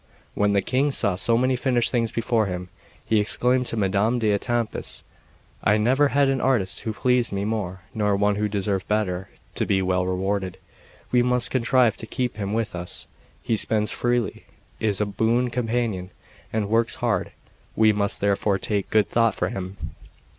When the King saw so many finished things before him, he exclaimed to Madame d'Etampes: "I never had an artist who pleased me more, nor one who deserved better to be well rewarded; we must contrive to keep him with us. He spends freely, is a boon companion, and works hard; we must therefore take good thought for him.